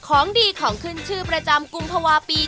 ของดีของขึ้นชื่อประจำกุมภาวะปี